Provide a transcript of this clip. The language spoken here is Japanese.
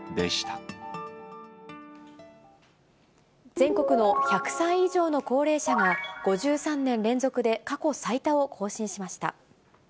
全国の１００歳以上の高齢者が、５３年連続で過去最多を更新しました。